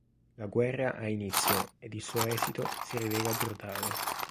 La guerra ha inizio ed il suo esito si rivela brutale.